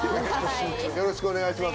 よろしくお願いします。